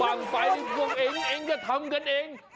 บังไฟพวกเอ็งจะทำกันเอง